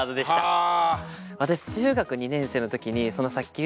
ああ！